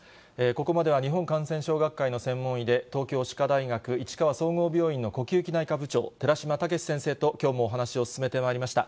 ここまでは日本感染症学会の専門医で、東京歯科大学市川総合病院呼吸器内科部長、寺嶋毅先生と、きょうもお話を進めてまいりました。